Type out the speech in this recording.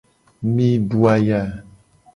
Mi du aya.